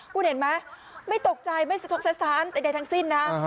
คุณเห็นไหมไม่ตกใจไม่ทกษัตริย์ในทั้งสิ้นนะ